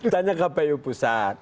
tanya kpu pusat